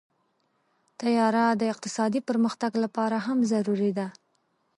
طیاره د اقتصادي پرمختګ لپاره هم ضروري ده.